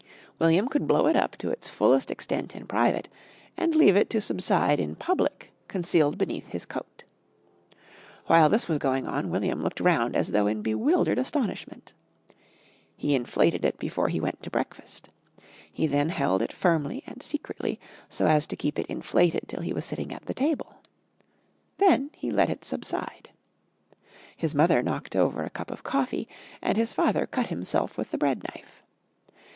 William could blow it up to its fullest extent in private and leave it to subside in public concealed beneath his coat. While this was going on William looked round as though in bewildered astonishment. He inflated it before he went to breakfast. He then held it firmly and secretly so as to keep it inflated till he was sitting at the table. Then he let it subside. His mother knocked over a cup of coffee, and his father cut himself with the bread knife.